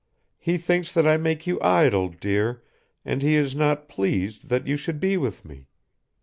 He thinks that I make you idle, dear, and he is not pleased that you should be with me.